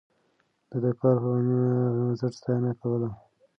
ده د کار پر بنسټ ستاينه کوله.